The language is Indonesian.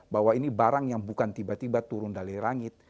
bahwa ini barang yang bukan tiba tiba turun dari rangit